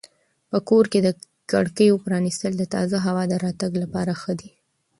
په کور کې د کړکیو پرانیستل د تازه هوا د راتګ لپاره ښه دي.